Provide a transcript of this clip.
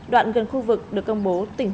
đoạn gần khu vực được công bố tình huống khẩn cấp